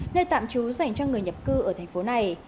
nơi tạm trú dành cho người nhập cư ở thành phố này